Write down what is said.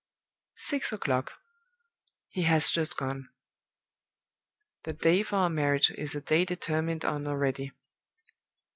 Six o'clock. He has just gone. The day for our marriage is a day determined on already.